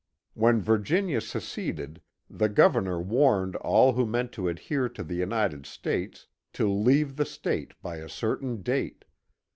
When Virginia seceded the govjemor warned all who meant to adhere to the United States to leave the State by a certain date.